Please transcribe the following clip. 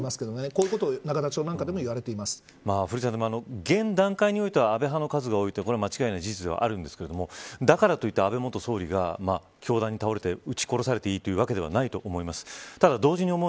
こういうことを永田町なんかでも現段階においては安倍派の数が多いのは間違いない事実ではあるんですがだからといって安倍元総理が凶弾に倒れて撃ち殺されていいというわけではないと思います。